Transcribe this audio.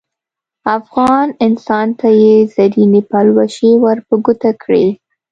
افغان انسان ته یې زرینې پلوشې ور په ګوته کړې.